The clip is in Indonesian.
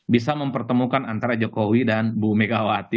bisa mempertemukan antara jokowi dan bu megawati